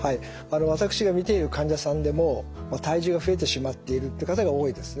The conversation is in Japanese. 私が見ている患者さんでも体重が増えてしまっているって方が多いですね。